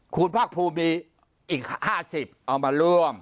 คุณภาคภูมิมีอีก๕๐เอามาร่วม